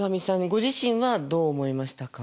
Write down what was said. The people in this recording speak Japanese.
ご自身はどう思いましたか？